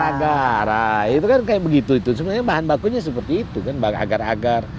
agar agar itu kan kayak begitu itu sebenarnya bahan bakunya seperti itu dan bahan agar agar